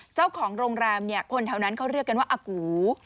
เจ้าของโรงแรมเนี่ยคนแถวนั้นเขาเรียกกันว่าอากู